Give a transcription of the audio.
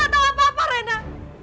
kamu tidak tahu apa apa rena